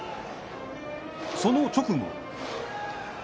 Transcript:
その直後。